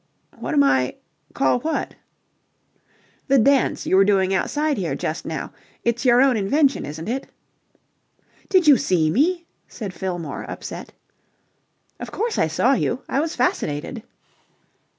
"What am I... Call what?" "The dance you were doing outside here just now. It's your own invention, isn't it?" "Did you see me?" said Fillmore, upset. "Of course I saw you. I was fascinated."